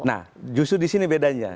nah justru di sini bedanya